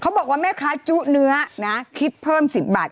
บอกว่าแม่ค้าจุเนื้อนะคิดเพิ่ม๑๐บาท